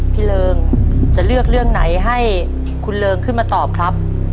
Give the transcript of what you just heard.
เริงจะเลือกเรื่องไหนให้คุณเริงขึ้นมาตอบครับ